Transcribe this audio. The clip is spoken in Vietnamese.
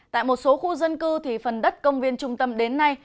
tại một số khu dân cư thì phần đất công viên trung tâm đến nay